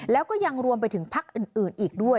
แล้วก็ยังรวมไปถึงพักอื่นอีกด้วย